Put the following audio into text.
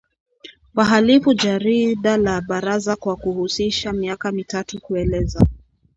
wahalifu jarida la Baraza kwa kuhusisha miaka mitatu kueleza